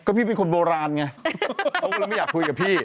พี่เป็นคนโบราณไงเขาก็เลยไม่อยากคุยกับพี่